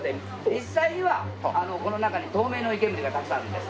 実際にはこの中に透明の湯けむりがたくさんあるんです。